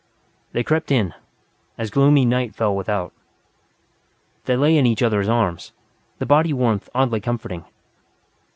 They crept in, as gloomy night fell without. They lay in each other's arms, the body warmth oddly comforting.